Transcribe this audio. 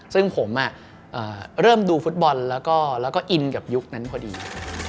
ซึ่งผมเริ่มดูฟุตบอลแล้วก็อินกับยุคนั้นพอดี